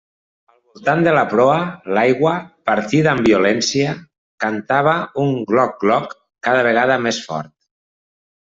Al voltant de la proa, l'aigua, partida amb violència, cantava un gloc-gloc cada vegada més fort.